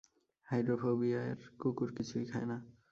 হাইড্রোফোবিয়ার কুকুর কিছুই খায় না।